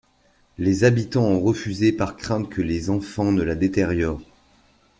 Les habitants ont refusé par crainte que les enfants ne la détériorent.